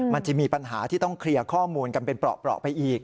มันจะมีปัญหาที่ต้องเคลียร์ข้อมูลกันเป็นเปราะไปอีก